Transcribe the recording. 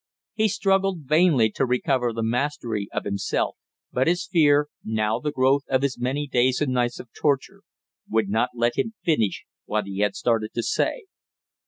He struggled vainly to recover the mastery of himself, but his fear, now the growth of his many days and nights of torture, would not let him finish what he had started to say.